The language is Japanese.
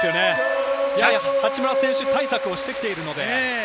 八村選手対策をしてきていますので。